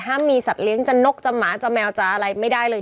มีสัตว์เลี้ยงจะนกจะหมาจะแมวจะอะไรไม่ได้เลย